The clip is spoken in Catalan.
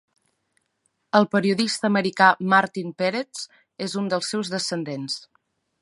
El periodista americà Martin Peretz és un dels seus descendents.